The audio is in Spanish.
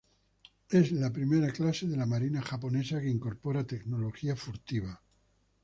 Es la primera clase de la marina japonesa que incorpora tecnología furtiva.